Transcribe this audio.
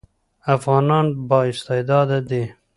افغانان با استعداده دي